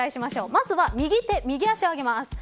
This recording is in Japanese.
まずは右手、右足を上げます。